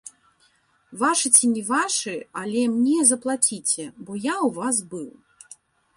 Вашы ці не вашы, але мне заплаціце, бо я ў вас быў.